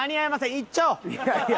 行っちゃおう。